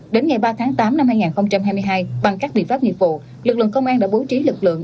đến ngày ba tháng tám năm hai nghìn hai mươi hai bằng các biện pháp nghiệp vụ lực lượng công an đã bố trí lực lượng